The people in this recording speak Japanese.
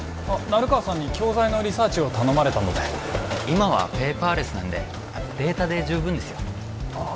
成川さんに教材のリサーチを頼まれたので今はペーパーレスなんでデータで十分ですよああ